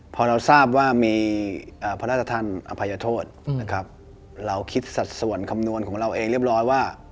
พอเราทราบว่ามีพระราชทันอภัยโทษนะครับเราคิดสัดส่วนคำนวณของเราเองเรียบร้อยว่า